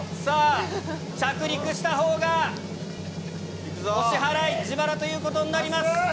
さぁ着陸したほうがお支払い自腹ということになります。